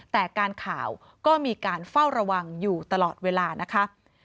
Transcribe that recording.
แต่การข่าวก็มีการเฝ้าระวังอยู่ตลอดเวลานะคะ